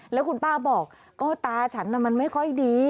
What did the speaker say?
แล้วคุณป้าบอกก็ตาฉันมันไม่ค่อยดี